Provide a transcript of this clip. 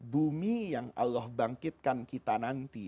bumi yang allah bangkitkan kita nanti